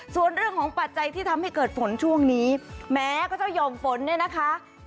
ส่วนเรื่องของปัจจัยที่ทำให้เกิดฝนช่วงนี้แม้ก็เจ้าหย่อมฝนเนี่ยนะคะ